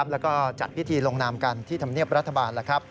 แล้วก็จัดพิธีลงนามกันที่ธรรมเนียบรัฐบาล